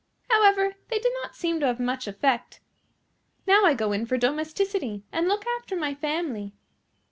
However, they did not seem to have much effect. Now I go in for domesticity, and look after my family."